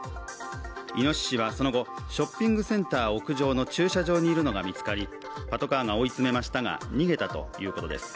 イノシシはその後ショッピングセンター屋上の駐車場に入るのが見つかりパトカーが追い詰めましたが逃げたということです